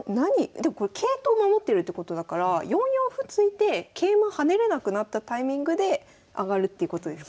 でもこれ桂頭を守ってるってことだから４四歩突いて桂馬跳ねれなくなったタイミングで上がるっていうことですか？